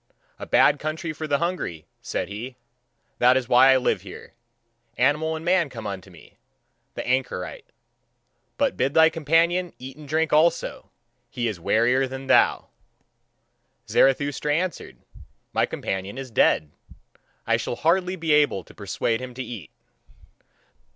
"A bad country for the hungry," said he; "that is why I live here. Animal and man come unto me, the anchorite. But bid thy companion eat and drink also, he is wearier than thou." Zarathustra answered: "My companion is dead; I shall hardly be able to persuade him to eat."